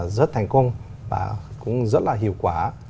rất thành công và cũng rất là hiệu quả